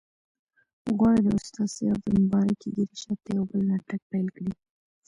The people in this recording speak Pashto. غواړي د استاد سیاف د مبارکې ږیرې شاته یو بل ناټک پیل کړي.